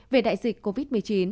về đại dịch covid một mươi chín